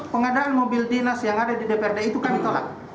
pengadaan mobil dinas yang ada di dprd itu kami tolak